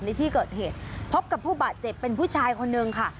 ในที่เกิดเหตุพบกับผู้บาดเจ็บเป็นผู้ชายคนนึงค่ะ